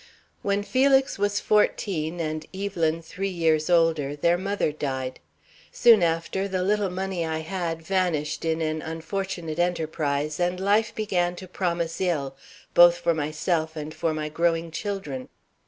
When Felix was fourteen and Evelyn three years older, their mother died. Soon after, the little money I had vanished in an unfortunate enterprise, and life began to promise ill, both for myself and for my growing children.